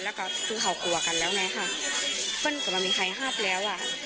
แล้วก็คือเขากลัวกันแล้วไงค่ะเปิ้ลก็ไม่มีใครหับแล้วอ่ะ